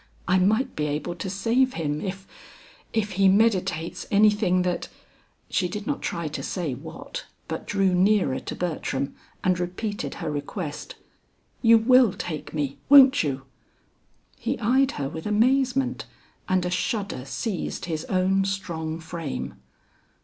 I might be able to save him if if he meditates anything that " she did not try to say what, but drew nearer to Bertram and repeated her request. "You will take me, won't you?" He eyed her with amazement, and a shudder seized his own strong frame.